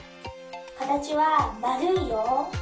かたちはまるいよ。